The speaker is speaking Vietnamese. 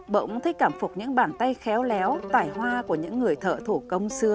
bỗng thấy cảm phục những bàn tay khéo léo tải hoa của những người thợ thủ công xưa